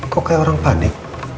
kok kayak orang panik